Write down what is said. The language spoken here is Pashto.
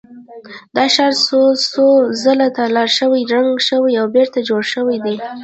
دا ښار څو څو ځله تالا شوی، ړنګ شوی او بېرته جوړ شوی دی.